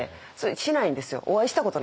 できないんですよ。